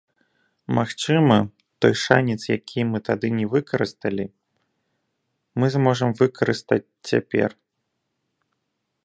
Магчыма, той шанец, які мы тады не выкарысталі, мы зможам выкарыстаць цяпер.